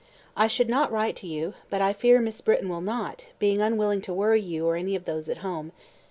I should not write to you, but I fear Miss Britton will not, being unwilling to worry you or any of those at home.